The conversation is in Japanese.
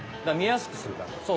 だから見やすくするため。